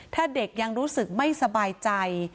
ถ้าเด็กยังรู้สึกไม่สบายใจ